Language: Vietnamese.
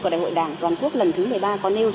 của đại hội đảng toàn quốc lần thứ một mươi ba có nêu